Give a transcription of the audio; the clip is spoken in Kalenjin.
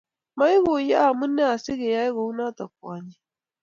Maiguyo amune asikiyae kounoto kwonyik